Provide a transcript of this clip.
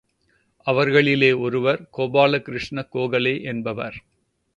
அவர்களிலே ஒருவர், கோபால கிருஷ்ண கோகலே என்பவர்.